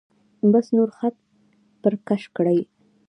بس نور خط پر کش کړئ.